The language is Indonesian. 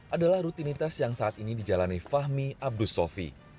adalah rutinitas yang saat ini dijalani fahmi abdussofi